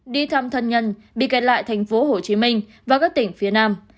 đi thăm thân nhân bị kẹt lại thành phố hồ chí minh và các tỉnh phía nam